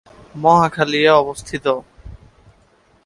মহাখালী এ অবস্থিত।